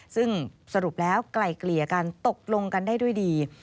ซึ่งสรุปแล้วไกลเกลี่ยกันตกลงกันได้ด้วยดี